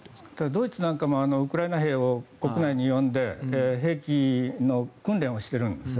ドイツなんかもウクライナ兵を国内に呼んで兵器の訓練をしているんです。